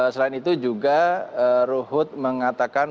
selain itu juga ruhut mengatakan